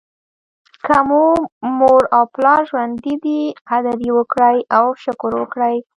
که مو مور او پلار ژوندي دي قدر یې وکړئ او شکر وکړئ.